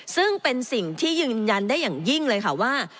ซึ่งเป็นสิ่งที่ยืนยันได้อย่างยิ่งเลยค่ะว่า